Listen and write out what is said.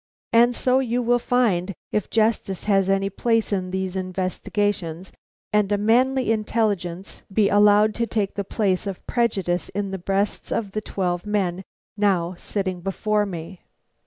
And so you will find, if justice has any place in these investigations and a manly intelligence be allowed to take the place of prejudice in the breasts of the twelve men now sitting before me."